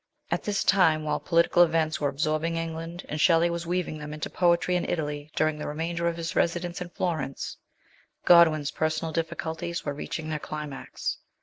AT this time while political events were absorbing England, and Shelley was weaving them into poetry in Italy during the remainder of his residence in Florence, Godwin's personal difficulties were reaching their climax.